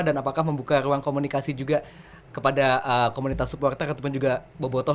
dan apakah membuka ruang komunikasi juga kepada komunitas supporter ataupun juga bobotoh